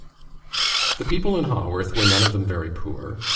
The people in Haworth were none of them very poor.